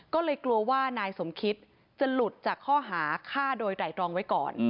ก็เลยกลัวว่านายสมคิตจะหลุดจากข้อหาฆ่าโดยไตรรองไว้ก่อน